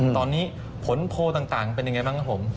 ตอนนี้ผลโพลต่างเป็นอย่างไรบ้างอ่ะผม